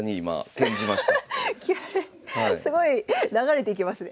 すごい流れていきますね。